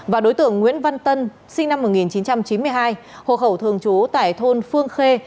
và đối tượng nguyễn văn tân sinh năm một nghìn chín trăm chín mươi hai hộ khẩu thường trú tại thôn phương khê